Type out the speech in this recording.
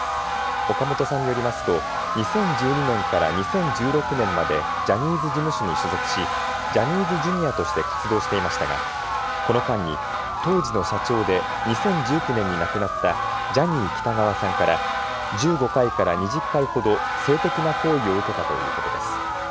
オカモトさんによりますと２０１２年から２０１６年までジャニーズ事務所に所属しジャニーズＪｒ．として活動していましたがこの間に当時の社長で２０１９年に亡くなったジャニー喜多川さんから１５回から２０回ほど性的な行為を受けたということです。